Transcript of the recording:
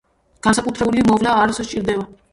განსაკუთრებული მოვლა არ სჭირდება.